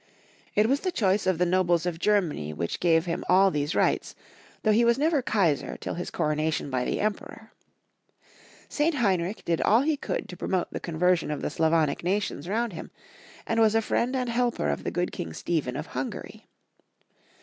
It was the choice of the nobles of Germany which gave him all these rights, though he was never Kais ix till his corona tion by the Emperor. St. Ileuuich did all he could St. Heinnch II. 103 to promote the conversion of the Slavonic nations round him, and was a friend and helper of the good King Stephen of Hungary.